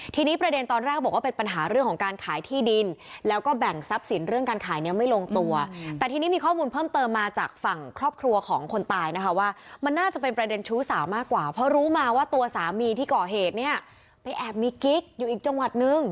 ทีนี้ประเด็นตอนแรกบอกว่าเป็นปัญหาเรื่องของการขายที่ดินแล้วก็แบ่งทรัพย์สินเรื่องการขายเนี่ยไม่ลงตัวแต่ทีนี้มีข้อมูลเพิ่มเติมมาจากฝั่งครอบครัวของคนตายนะคะว่ามันน่าจะเป็นประเด็นชู้สาวมากกว่าเพราะรู้มาว่าตัวสามีที่ก่อเหตุเนี่ยไปแอบมีกิ๊กอยู่อีกจังหวัดนึง